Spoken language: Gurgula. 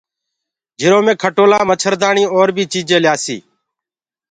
جِرو مي کٽولآ مڇردآڻيٚ اور بيٚ چيٚجينٚ ليآسيٚ